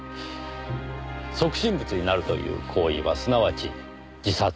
即身仏になるという行為はすなわち自殺。